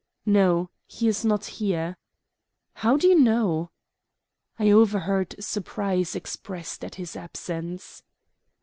"No, he is not here." "How do you know?" "I overheard surprise expressed at his absence."